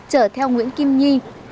chở theo nguyễn kim nhi